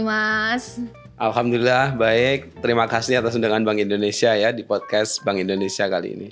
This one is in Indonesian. alhamdulillah baik terima kasih atas undangan bank indonesia ya di podcast bank indonesia kali ini